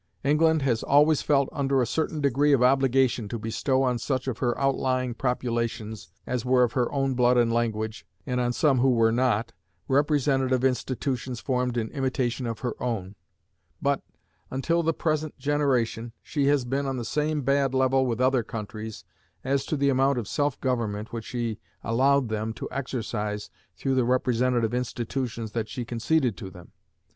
England has always felt under a certain degree of obligation to bestow on such of her outlying populations as were of her own blood and language, and on some who were not, representative institutions formed in imitation of her own; but, until the present generation, she has been on the same bad level with other countries as to the amount of self government which she allowed them to exercise through the representative institutions that she conceded to them.